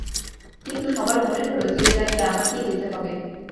কিন্তু, সবার মনে হলো, জেলে নাকি আমাকেই যেতে হবে।